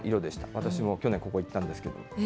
私も去年、ここに行ったんですけど。